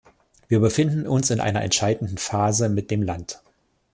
Wir befinden uns in einer entscheidenden Phase mit dem Land.